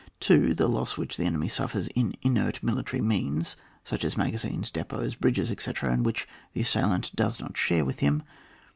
2. The loss which the enemy suffers in i^ert military means, such as maga zines, depots, bridges, etc., and which the assailant does not share with him.